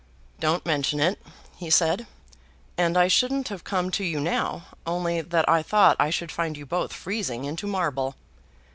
"Don't mention it," he said. "And I shouldn't have come to you now, only that I thought I should find you both freezing into marble."